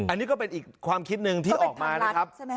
อันนี้ก็เป็นอีกความคิดหนึ่งที่ออกมานะครับ